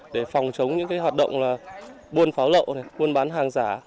để phòng chống những hoạt động buôn pháo lậu buôn bán hàng giả